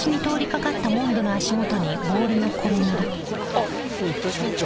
あっ新田支店長。